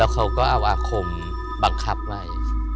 เขาก็เอาอาคมบังคับไว้